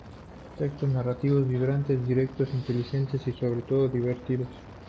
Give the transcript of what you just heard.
Textos narrativos vibrantes, directos, inteligentes, y sobre todo divertidos.